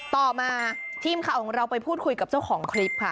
ต่อมาทีมข่าวของเราไปพูดคุยกับเจ้าของคลิปค่ะ